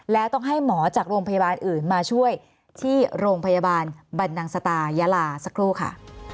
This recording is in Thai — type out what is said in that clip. แล้วต้องให้หมอจากโรงพยาบาลอื่นมาช่วยที่โรงพยาบาลบรรนังสตายาลาสักครู่ค่ะ